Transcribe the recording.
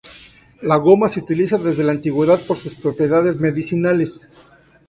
La goma se utiliza desde la antigüedad por sus propiedades medicinales.